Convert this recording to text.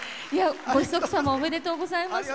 ご子息様おめでとうございます。